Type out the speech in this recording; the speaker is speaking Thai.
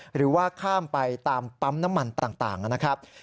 หรือว่าข้ามไปตามปั๊มน้ำมันต่างนะครับ